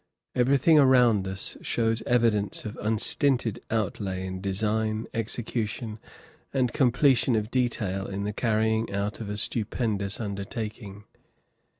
Everything around us shows evidence of unstinted outlay in design, execution, and completion of detail in the carrying out of a stupendous undertaking.